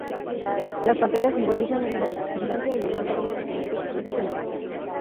Las panteras simbolizan la vigilancia y el valor del presidente que protege la nación.